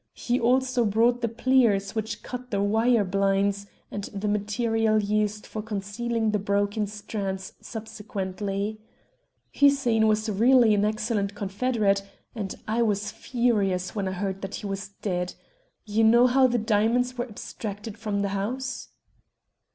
He also brought the pliers which cut the wire blinds, and the material used for concealing the broken strands subsequently. Hussein was really an excellent confederate, and I was furious when I heard that he was dead. You know how the diamonds were abstracted from the house?"